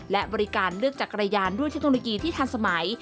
และบริการเลือกจักรยานด้วยเทคโนโลยีที่ทันสมัย